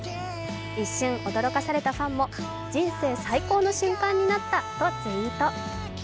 一瞬驚かされたファンも人生最高の瞬間になったとツイート。